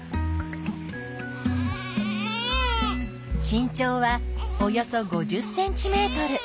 身長はおよそ５０ｃｍ。